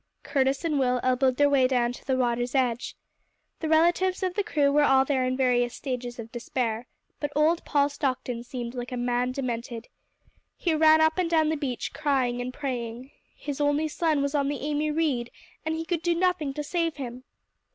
Curtis and Will elbowed their way down to the water's edge. The relatives of the crew were all there in various stages of despair, but old Paul Stockton seemed like a man demented. He ran up and down the beach, crying and praying. His only son was on the Amy Reade, and he could do nothing to save him!